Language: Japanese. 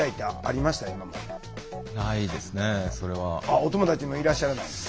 お友達もいらっしゃらない。